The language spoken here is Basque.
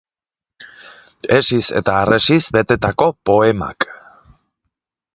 Hesiz eta harresiz betetako poemak.